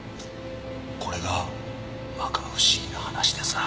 これが摩訶不思議な話でさ。